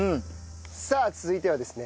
さあ続いてはですね